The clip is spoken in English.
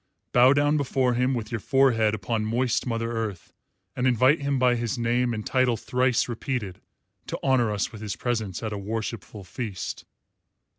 Bow down before him, with your forehead upon moist Mother Earth, and invite him by his name and title thrice repeated to honour us with his presence at a worshipful feast.